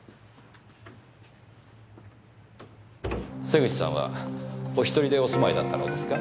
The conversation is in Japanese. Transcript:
瀬口さんはお１人でお住まいだったのですか？